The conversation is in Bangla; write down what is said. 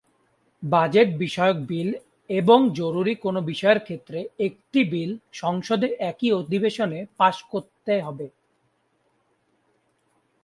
বাজেট বিষয়ক বিল এবং জরুরী কোনো বিষয়ের ক্ষেত্রে, একটি বিল সংসদে একই অধিবেশনে পাস করতে হবে।